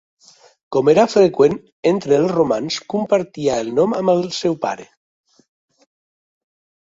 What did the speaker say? Com era freqüent entre els romans, compartia el nom amb el seu pare.